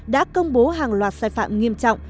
đã công bố hàng loạt sai phạm nghiêm trọng